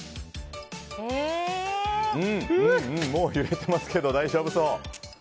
もう揺れてますけど大丈夫そう。